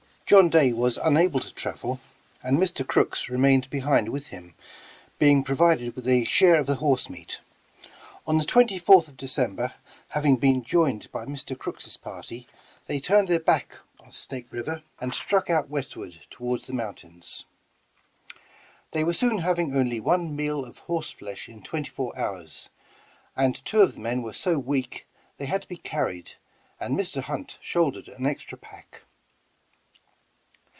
John Day was unable to travel, and Mr. Crooks re mained behind with him, being provided with a share of the horse meat. On the 24th of December, having been joined by Mr. Crooks' party, they turned their 190 Over the Rockies backs on the Snake River, and struck out westward to ward the mountains. They were soon having only one meal of horse flesh in twenty four hours, and two of the men were so weak they had to be carried, and Mr. Hunt shouldered an extra pack.